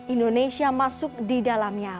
indonesia masuk di dalamnya